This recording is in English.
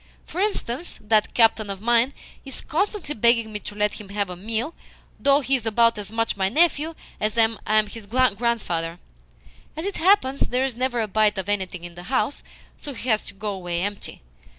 For instance, that captain of mine is constantly begging me to let him have a meal though he is about as much my nephew as I am his grandfather. As it happens, there is never a bite of anything in the house, so he has to go away empty.